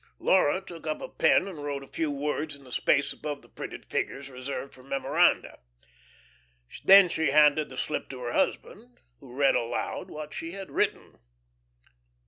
Laura took up a pen and wrote a few words in the space above the printed figures reserved for memoranda. Then she handed the slip to her husband, who read aloud what she had written.